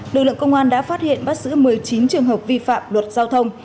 lực lượng công an đã phát hiện bắt giữ một mươi chín trường hợp vi phạm luật giao thông